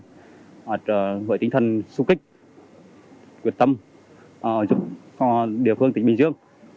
hoặc với tinh thần xúc kích quyết tâm giúp địa phương tỉnh bình dương